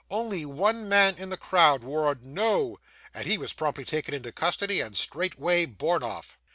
Only one man in the crowd cried 'No!' and he was promptly taken into custody, and straightway borne off.